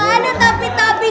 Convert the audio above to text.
gak ada tapi tapi